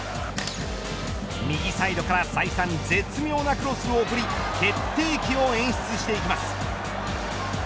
右サイドから再三絶妙なクロスを送り決定機を演出していきます。